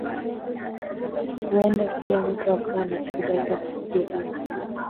Huenda pia mtu akawa na shida za kufikiria.